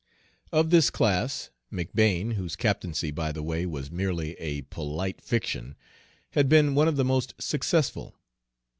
Of this class McBane whose captaincy, by the way, was merely a polite fiction had been one of the most successful.